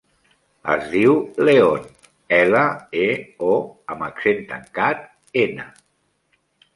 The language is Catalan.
Es diu León: ela, e, o amb accent tancat, ena.